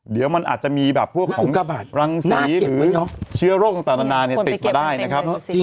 เดี๋ยวมันอาจจะมีแบบพวกของรังสีหรือเชื้อโรคต่างนานาติดมาได้นะครับ